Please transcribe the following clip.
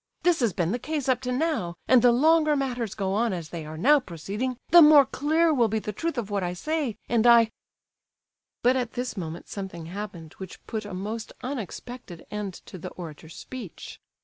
This has been the case up to now, and the longer matters go on as they are now proceeding, the more clear will be the truth of what I say; and I—" But at this moment something happened which put a most unexpected end to the orator's speech.